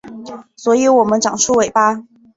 所以我们长出尾巴